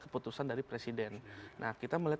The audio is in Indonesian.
keputusan dari presiden nah kita melihat